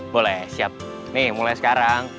boleh siap nih mulai sekarang